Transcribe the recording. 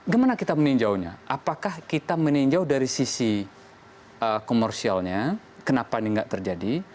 gimana kita meninjau nya apakah kita meninjau dari sisi komersialnya kenapa ini tidak terjadi